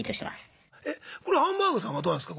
えこれハンバーグさんはどうなんですか？